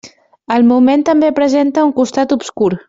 El moment també presenta un costat obscur.